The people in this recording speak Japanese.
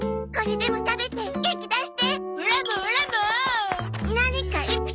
これ食べて元気出して！